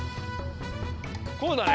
こうだね。